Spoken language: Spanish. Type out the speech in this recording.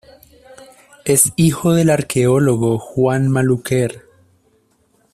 Es hijo del arqueólogo Juan Maluquer.